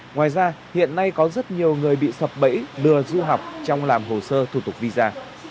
ngoài ra hiện nay có rất nhiều người bị sập bẫy lừa du học trong làm hồ sơ thủ tục visa